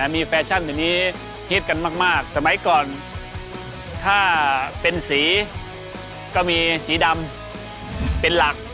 มีแฟชั่นเดี๋ยวนี้ฮิตกันมากสมัยก่อนถ้าเป็นสีก็มีสีดำเป็นหลัก